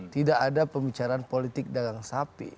tidak ada pembicaraan politik dagang sapi